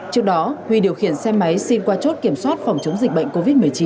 trước đó huy điều khiển xe máy xin qua chốt kiểm soát phòng chống dịch bệnh covid một mươi chín